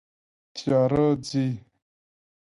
تیاره ځي